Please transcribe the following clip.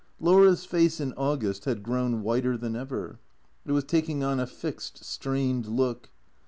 Laura's face in August had grown whiter than ever; it was taking on a fixed, strained look.